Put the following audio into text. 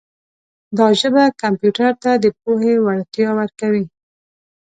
دا ژبه کمپیوټر ته د پوهې وړتیا ورکوي.